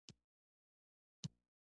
که پسرلی راورسیږي، نو ګلان به وغوړېږي.